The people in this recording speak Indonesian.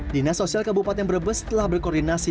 dinas sosial kebupaten brebes telah berkoordinasi dengan bpjs pbi